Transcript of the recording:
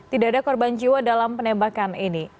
tidak ada korban jiwa dalam penembakan ini